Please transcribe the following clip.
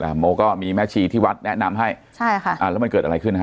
โมก็มีแม่ชีที่วัดแนะนำให้ใช่ค่ะอ่าแล้วมันเกิดอะไรขึ้นฮะ